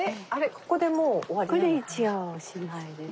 ここで一応おしまいです。